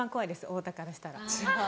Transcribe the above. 太田からしたら。